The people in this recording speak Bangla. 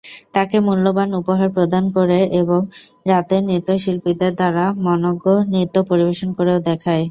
তাকে মূল্যবান উপহার প্রদান করে এবং রাতে নৃত্যশিল্পীদের দ্বারা মনোজ্ঞ নৃত্য পরিবেশন করেও দেখায়।